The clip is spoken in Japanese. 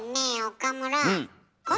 岡村。